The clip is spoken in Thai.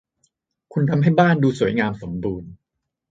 คุณทำให้บ้านดูสวยงามสมบูรณ์